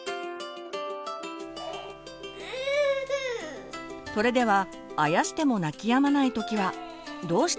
それではあやしても泣きやまない時はどうしたらいいのでしょうか？